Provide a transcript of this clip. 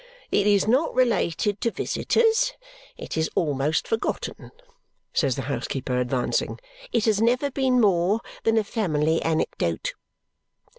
"It is not related to visitors; it is almost forgotten," says the housekeeper, advancing. "It has never been more than a family anecdote."